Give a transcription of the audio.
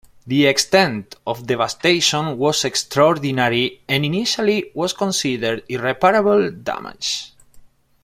The extent of devastation was extraordinary and initially was considered irreparable damage.